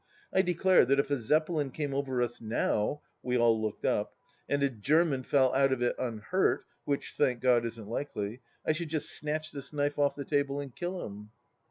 I declare, that if a Zeppelin came over us now "— ^we all looked up !—" and a German fell out of it unhurt — which, thank God, isn't likely — ^I should just snatch this knife off the table and kill him."